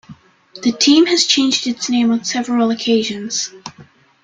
The team has changed its name on several occasions.